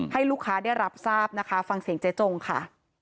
ให้ลูกค้าได้รับทราบนะคะฟังเสียงเจ๊จงค่ะ